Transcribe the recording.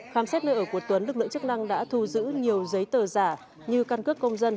khám xét nơi ở của tuấn lực lượng chức năng đã thu giữ nhiều giấy tờ giả như căn cước công dân